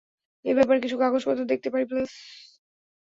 এ ব্যাপারে কিছু কাগজ-পত্র দেখতে পারি, প্লিজ?